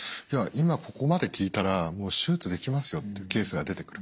今ここまで効いたらもう手術できますよというケースが出てくる。